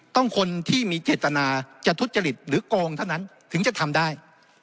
คนที่มีเจตนาจะทุจริตหรือโกงเท่านั้นถึงจะทำได้